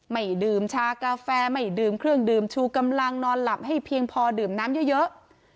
ไม่ดื่มชากาแฟไม่ดื่มเครื่องดื่มชูกำลังนอนหลับให้เพียงพอดื่มน้ำเยอะ